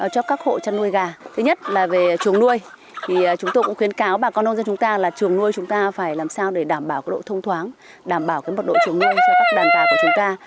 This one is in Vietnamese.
cho các hộ chăn nuôi gà thứ nhất là về trường nuôi chúng tôi cũng khuyến cáo bà con nông dân chúng ta là trường nuôi chúng ta phải làm sao để đảm bảo độ thông thoáng đảm bảo độ trường nuôi cho các đàn gà của chúng ta